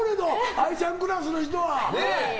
藍ちゃんクラスの人は。